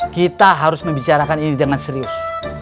kita harus membicarakan ini dengan serius